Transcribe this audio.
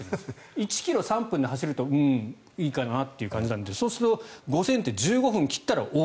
１ｋｍ３分で走るとうーん、いいかなって感じなんですがそうすると、５０００ｍって１５分を切ったらおお！